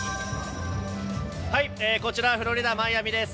こちらフロリダ・マイアミです。